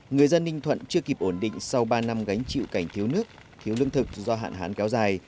người dân ninh thuận chưa kịp ổn định sau ba năm gánh chịu cảnh thiếu nước thiếu lương thực do hạn hán kéo dài